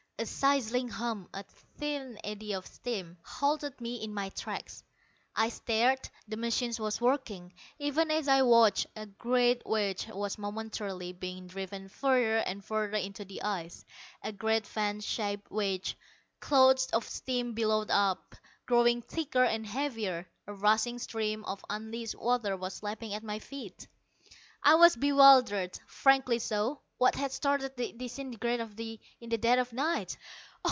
A sizzling hum, a thin eddy of steam, halted me in my tracks. I stared. The machine was working! Even as I watched, a great wedge was momentarily being driven further and further into the ice a great fan shaped wedge. Clouds of steam billowed out, growing thicker and heavier. A rushing stream of unleashed water was lapping at my feet. I was bewildered, frankly so. What had started the disintegrator in the dead of night?